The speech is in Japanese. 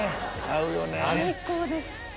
最高です！